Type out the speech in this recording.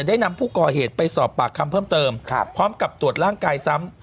ได้นำผู้ก่อเหตุไปสอบปากคำเพิ่มเติมพร้อมกับตรวจร่างกายซ้ำ